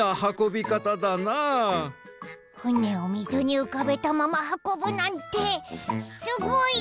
ふねをみずにうかべたままはこぶなんてすごい！